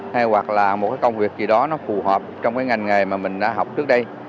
hay hoặc là một cái công việc gì đó nó phù hợp trong cái ngành nghề mà mình đã học trước đây